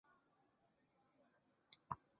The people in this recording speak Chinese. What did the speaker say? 而这个词语有不同的内涵和外延。